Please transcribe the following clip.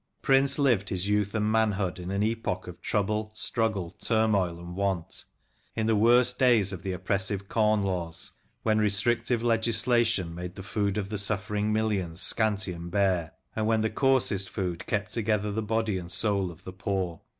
Prince lived his youth and manhood in an epoch of trouble, struggle, turmoil, and want — in the worst days of the oppressive Corn Laws, when restrictive legislation made the food of the suffering millions scanty and bare, and when the coarsest food kept together the body and soul of the poor.